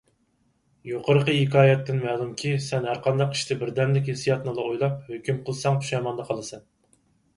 يۇقىرىقى ھېكايەتتىن مەلۇمكى، سەن ھەرقانداق ئىشتا بىردەملىك ھېسسىياتنىلا ئويلاپ، ھۆكۈم قىلساڭ پۇشايماندا قالىسەن.